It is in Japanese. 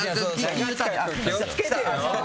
気をつけてよ。